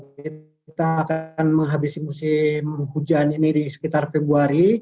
kita akan menghabisi musim hujan ini di sekitar februari